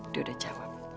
dia udah jawab